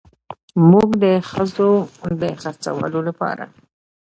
موږ د ښځو د خرڅولو لپاره